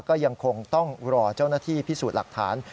ก็ยังคงต้องรอเจ้าหน้าที่พิสูจน์หลักฐาน